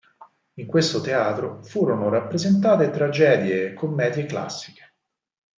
In questo teatro furono rappresentate tragedie e commedie classiche.